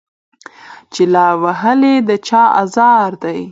چي لا وهلی د چا آزار دی